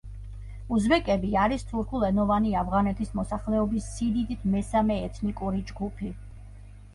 უზბეკები არის თურქულენოვანი ავღანეთის მოსახლეობის სიდიდით მესამე ეთნიკური ჯგუფი.